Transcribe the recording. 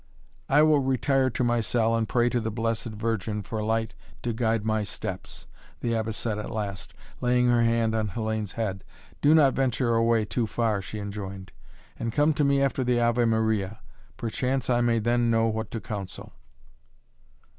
"I will retire to my cell and pray to the Blessed Virgin for light to guide my steps," the Abbess said at last, laying her hand on Hellayne's head. "Do not venture away too far," she enjoined, "and come to me after the Ave Maria. Perchance I may then know what to counsel."